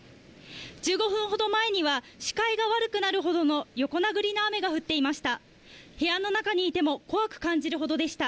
１５分ほど前には、視界が悪くなるほどの横殴りの雨が降っていました。